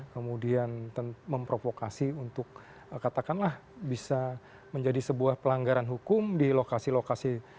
kemudian memprovokasi untuk katakanlah bisa menjadi sebuah pelanggaran hukum di lokasi lokasi